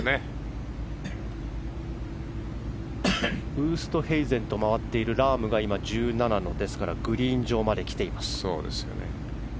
ウーストヘイゼンと回っているラームが今、１７のグリーン上まで来ています。